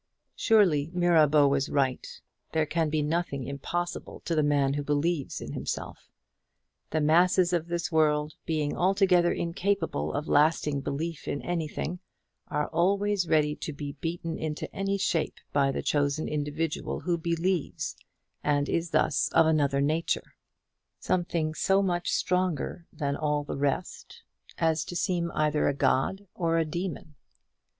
Surely Mirabeau was right. There can be nothing impossible to the man who believes in himself. The masses of this world, being altogether incapable of lasting belief in anything, are always ready to be beaten into any shape by the chosen individual who believes, and is thus of another nature something so much stronger than all the rest as to seem either a god or a demon.